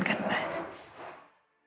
saya pernah mulai pratisi sorotan saja